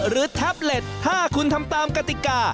แท็บเล็ตถ้าคุณทำตามกติกา